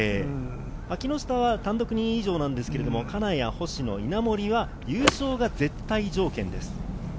木下は単独２位以上なんですが、金谷、星野、稲森は優勝が絶対条件です。